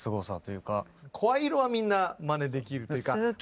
声色はみんなまねできるというか。